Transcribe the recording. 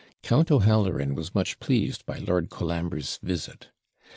Count O'Halloran was much pleased by Lord Colambre's visit.